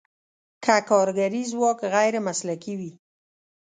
که کارګري ځواک غیر مسلکي وي.